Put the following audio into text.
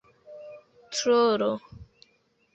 trolo